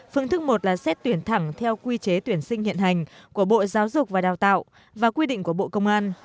phương thức một là xét tuyển thẳng theo quy chế tuyển sinh hiện hành của bộ giáo dục và đào tạo và quy định của bộ công an